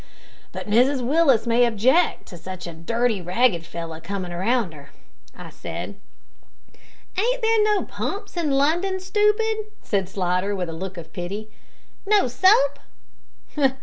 "But Mrs Willis may object to such a dirty ragged fellow coming about her," said I. "Ain't there no pumps in London, stoopid?" said Slidder, with a look of pity, "no soap?"